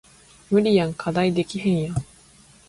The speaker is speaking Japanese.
無理やん課題できへんやん